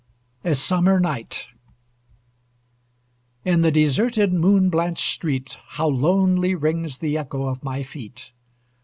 A SUMMER NIGHT In the deserted, moon blanched street, How lonely rings the echo of my feet!